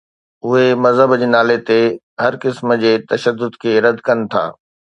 اهي مذهب جي نالي تي هر قسم جي تشدد کي رد ڪن ٿا.